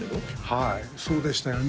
はいそうでしたよね